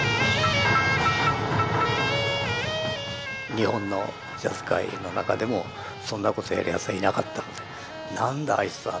日本のジャズ界の中でもそんなことやるやつはいなかったので「何だあいつは」。